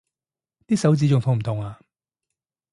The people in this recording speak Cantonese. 啲手指仲痛唔痛啊？